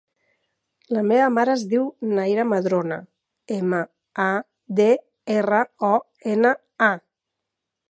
La meva mare es diu Naira Madrona: ema, a, de, erra, o, ena, a.